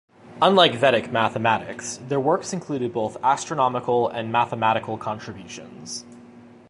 Unlike Vedic mathematics, their works included both astronomical and mathematical contributions.